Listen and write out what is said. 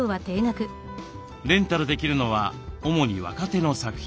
レンタルできるのは主に若手の作品。